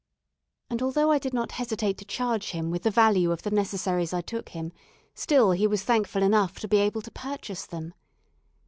And although I did not hesitate to charge him with the value of the necessaries I took him, still he was thankful enough to be able to purchase them.